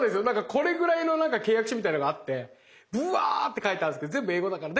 これぐらいの何か契約書みたいのがあってブワって書いてあるんですけど全部英語だから。